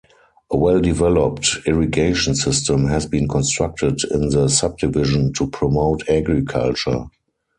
A well-developed irrigation system has been constructed in the subdivision to promote agriculture.